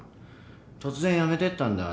突然辞めてったんだ。